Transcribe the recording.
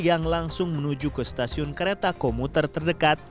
yang langsung menuju ke stasiun kereta komuter terdekat